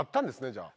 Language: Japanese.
じゃあ。